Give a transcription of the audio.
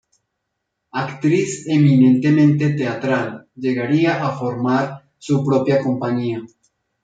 Actriz eminentemente teatral, llegaría a formar su propia Compañía.